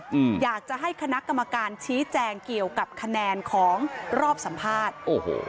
อืมอยากจะให้คณะกรรมการชี้แจงเกี่ยวกับคะแนนของรอบสัมภาษณ์โอ้โห